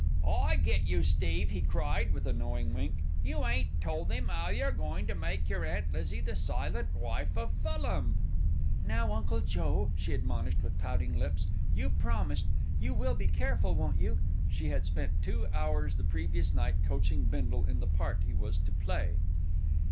"I get you Steve," he cried, with a knowing wink, "you ain't told 'im 'ow you're goin' to make yer Aunt Lizzie the silent wife of Fulham." "Now, Uncle Joe," she admonished with pouting lips, "you promised. You will be careful, won't you?" She had spent two hours the previous night coaching Bindle in the part he was to play.